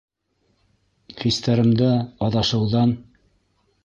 Хистәремдә аҙашыуҙан.